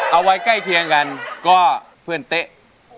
เอาไว้ใกล้เคียงกันก็เพื่อนเต๊ะ